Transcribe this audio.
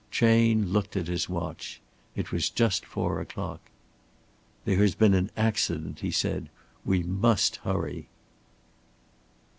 Chayne looked at his watch. It was just four o'clock. "There has been an accident," he said. "We must hurry."